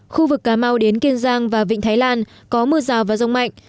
khu vực cà mau đến kiên giang và vịnh thái lan có mưa rào và rông mạnh